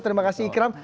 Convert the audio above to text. terima kasih ikram